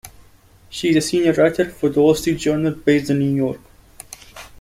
She is a Senior Writer for The Wall Street Journal based in New York.